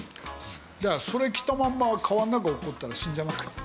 だからそれ着たまま川の中落っこったら死んじゃいますから。